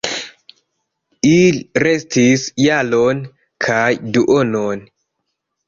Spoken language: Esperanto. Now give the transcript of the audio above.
Ili restis jaron kaj duonon.